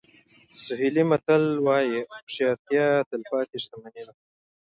سوهیلي متل وایي هوښیارتیا تلپاتې شتمني ده.